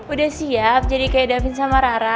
udah siap jadi kayak david sama rara